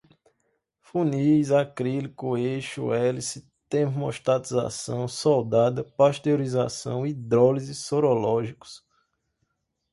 funis, acrílico, eixo, hélice, termostatização, soldada, pasteurização, hidrólise, sorológicos